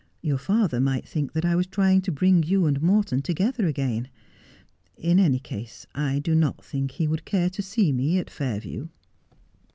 Your father might think that I was trying to bring you and Morton together again. In any case I do not think he would care to see me at Fairview.'